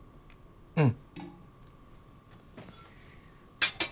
うん。